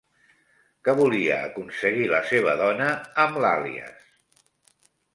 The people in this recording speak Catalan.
Què volia aconseguir la seva dona amb l'àlies?